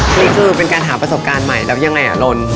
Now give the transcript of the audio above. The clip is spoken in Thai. นี่คือเป็นการหาประสบการณ์ใหม่แล้วยังไงอ่ะลน